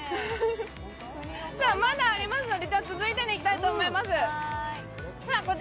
まだありますので、続いてに行きたいと思います。